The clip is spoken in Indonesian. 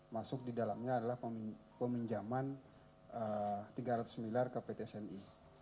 masuk di dalamnya adalah peminjaman tiga ratus miliar ke pt smi